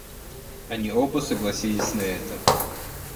Они оба согласились на это.